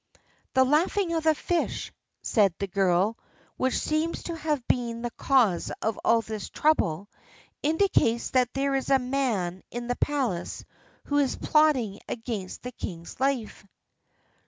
"The laughing of the fish," said the girl, "which seems to have been the cause of all this trouble, indicates that there is a man in the palace who is plotting against the king's life."